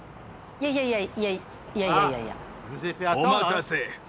いやいやいやいやいやいやいや。